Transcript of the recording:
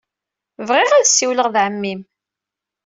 Bɣiɣ ad ssiwleɣ ed ɛemmi-m.